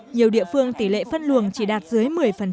nhiều địa phương tỷ lệ phân luồng chỉ đạt dưới một mươi